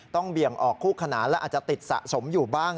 เบี่ยงออกคู่ขนานและอาจจะติดสะสมอยู่บ้าง